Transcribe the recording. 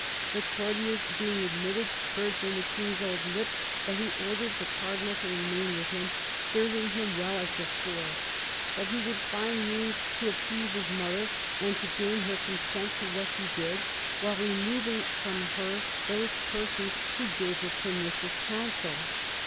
The courtiers, being admitted, heard from the King's own lips that he ordered the Cardinal to remain with him, serving him well as before ;" that he would find means to appease his mother and to gain her consent to what he did, while removing from her those persons who gave her pernicious counsel."